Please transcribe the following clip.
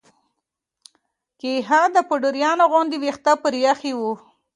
کيهان د پوډريانو غوندې ويښته پريخي وه.